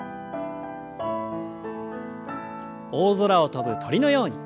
大空を飛ぶ鳥のように。